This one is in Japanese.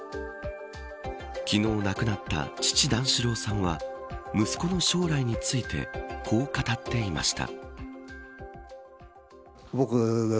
昨日亡くなった父段四郎さんは息子の将来についてこう語っていました。